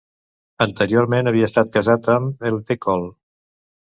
Anteriorment havia estat casat amb Lt.-Col.